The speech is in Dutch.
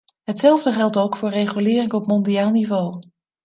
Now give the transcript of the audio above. Hetzelfde geldt ook voor regulering op mondiaal niveau.